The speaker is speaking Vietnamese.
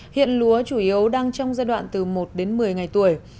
hiện lúa chủ yếu đang trong giai đoạn từ một đến một mươi ngày tuổi